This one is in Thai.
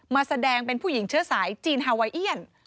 มาแสดงเป็นผู้หญิงเชื้อสายจีนฮาไวเอียน